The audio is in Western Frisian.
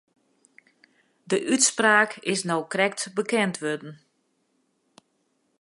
De útspraak is no krekt bekend wurden.